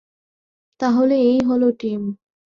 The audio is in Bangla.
তাহলে, এই হল টিম।